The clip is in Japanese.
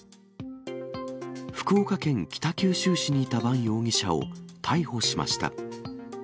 福岡県北九州市にいたバン容疑者を逮捕しました。